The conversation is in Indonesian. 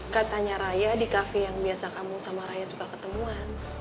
katanya raya di kafe yang biasa kamu sama raya suka ketemuan